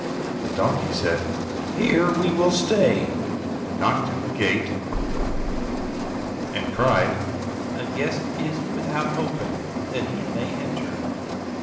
The donkey said, "Here we will stay," knocked at the gate, and cried, "A guest is without open, that he may enter."